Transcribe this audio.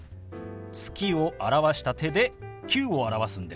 「月」を表した手で「９」を表すんです。